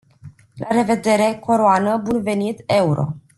La revedere, coroană, bun venit, euro.